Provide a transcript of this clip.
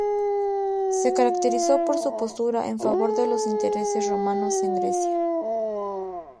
Se caracterizó por su postura en favor de los intereses romanos en Grecia.